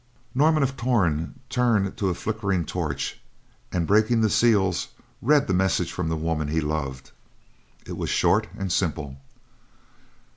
Norman of Torn turned to a flickering torch and, breaking the seals, read the message from the woman he loved. It was short and simple.